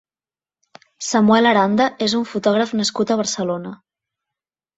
Samuel Aranda és un fotògraf nascut a Barcelona.